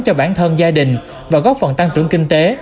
cho bản thân gia đình và góp phần tăng trưởng kinh tế